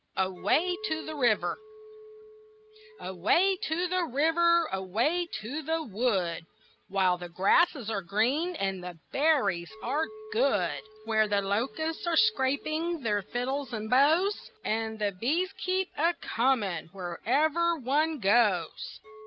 AWAY TO THE RIVER Away to the river, away to the wood, While the grasses are green and the berries are good! Where the locusts are scraping their fiddles and bows, And the bees keep a coming wherever one goes.